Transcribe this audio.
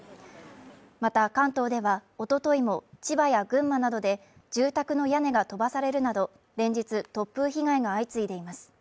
また関東では、おとといも千葉や群馬などで住宅の屋根が飛ばされるなど、連日突風被害が相次いでいます。